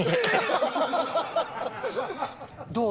どう？